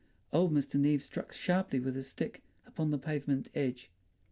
Old Mr. Neave struck sharply with his stick upon the pavement edge.